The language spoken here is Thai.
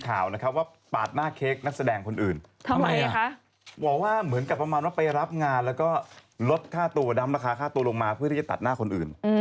เพราะไม่มีแต่ว่าเหมือนกับบางว่าไปรับงานแล้วก็ลดท่าตัวดำราคาตัวลงมาเพื่อได้ตัดหน้าคนอื่น